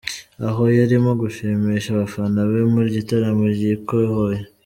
Aho yarimo gushimisha abafana be mu gitaramo yikohoye .